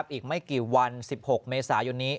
อีกไม่กี่วัน๑๖เมษายนนี้